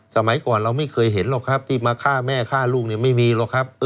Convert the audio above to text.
สมัยก่อนเราไม่เคยเห็นหรอกครับที่มาฆ่าแม่ฆ่าลูกเนี่ยไม่มีหรอกครับ